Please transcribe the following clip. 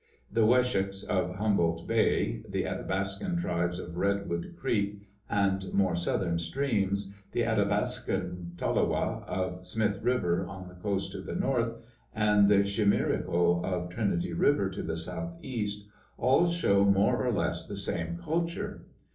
The Wishosk of Humboldt bay, the Athabascan tribes of Redwood creek and more southern streams, the Athabascan Tolowa of Smith river on the coast to the north, and the Chimariko of Trinity river to the southeast, all show more or less the same culture.